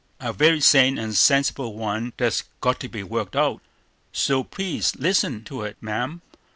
"A very sane and sensible one that's got to be worked out, so please listen to it, ma'am.